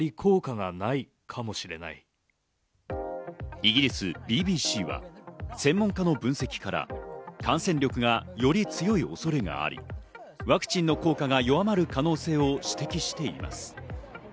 イギリス・ＢＢＣは専門家の分析から感染力がより強い恐れがあり、ワクチンの効果が弱まる可能性を指摘しています。